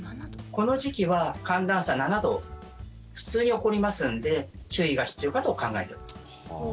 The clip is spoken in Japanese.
この時期は寒暖差７度普通に起こりますんで注意が必要かと考えております。